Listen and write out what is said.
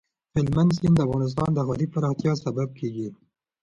هلمند سیند د افغانستان د ښاري پراختیا سبب کېږي.